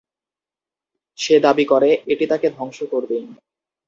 সে দাবি করে, "এটি তাকে ধ্বংস করবে"।